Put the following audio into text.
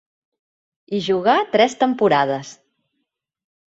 Hi jugà tres temporades.